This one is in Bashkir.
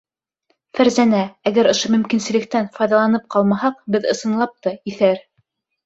Фәрзәнә, әгәр ошо мөмкинселектән файҙаланып ҡалмаһаҡ, беҙ, ысынлап та, иҫәр!